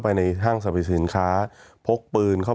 มีความรู้สึกว่ามีความรู้สึกว่า